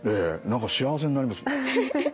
何か幸せになります。